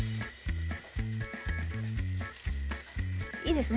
いいですね